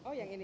oh yang ini